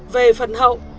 về phần hậu